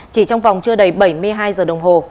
chỉ trong vòng chưa đầy bảy mươi hai giờ đồng hồ